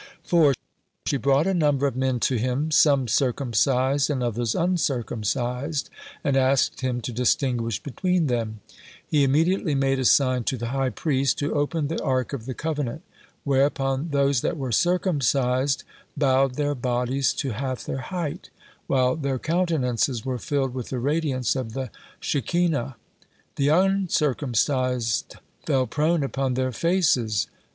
4. She brought a number of men to him, some circumcised and others uncircumcised, and asked him to distinguish between them. He immediately made a sign to the high priest, who opened the Ark of the covenant, whereupon those that were circumcised bowed their bodies to half their height, while their countenances were filled with the radiance of the Shekinah; the uncircumcised fell prone upon their faces.